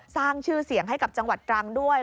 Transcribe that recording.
สร้างชื่อเสียงให้กับจังหวัดตรังด้วย